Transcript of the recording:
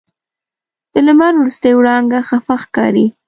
د لمر وروستۍ وړانګه خفه ښکاري